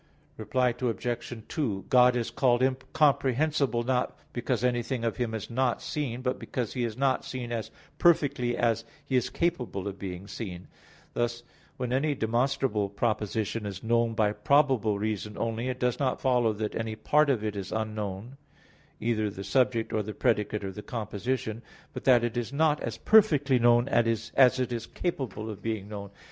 Reply Obj. 2: God is called incomprehensible not because anything of Him is not seen; but because He is not seen as perfectly as He is capable of being seen; thus when any demonstrable proposition is known by probable reason only, it does not follow that any part of it is unknown, either the subject, or the predicate, or the composition; but that it is not as perfectly known as it is capable of being known.